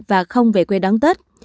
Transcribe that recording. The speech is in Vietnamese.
và không về quê đoán tết